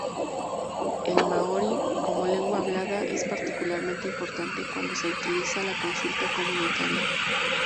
El maorí como lengua hablada es particularmente importante cuando se utiliza la consulta comunitaria.